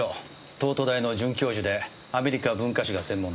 東都大の准教授でアメリカ文化史が専門です。